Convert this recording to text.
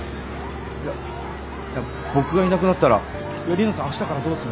いや僕がいなくなったら梨乃さんあしたからどうする？